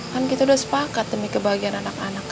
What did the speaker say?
kan kita udah sepakat demi kebahagiaan anak anak